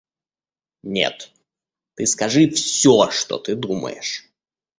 Нет, ты скажи всё, что ты думаешь!